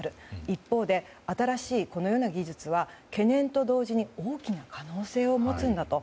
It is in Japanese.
一方で、新しいこのような技術は懸念と同時に大きな可能性を持つんだと。